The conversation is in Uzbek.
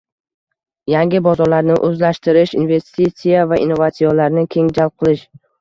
Yangi bozorlarni o‘zlashtirish, investitsiya va innovatsiyalarni keng jalb qilish